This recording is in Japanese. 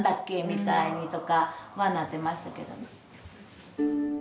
みたいにとかはなってましたけどね。